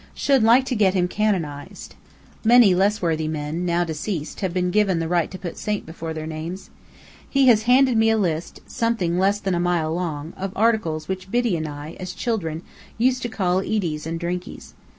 Should like to get him canonized. Many less worthy men, now deceased, have been given the right to put Saint before their names. He has handed me a list, something less than a mile long, of articles which Biddy and I, as children, used to call eaties and drinkies.